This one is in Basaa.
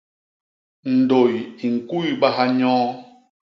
Ndôy i ñkuybaha nyoo.